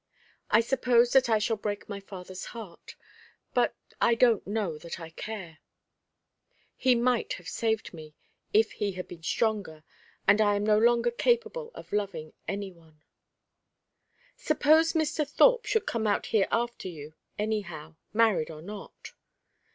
I suppose that I shall break my father's heart; but I don't know that I care. He might have saved me, if he had been stronger, and I am no longer capable of loving any one " "Suppose Mr. Thorpe should come out here after you, anyhow, married or not."